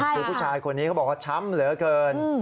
คือผู้ชายคนนี้เขาบอกว่าช้ำเหลือเกิน